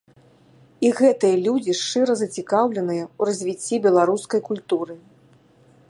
І гэтыя людзі шчыра зацікаўленыя ў развіцці беларускай культуры.